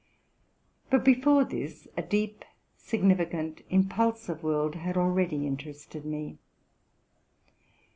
But, before this, a deep, significant, impulsive world had already interested me.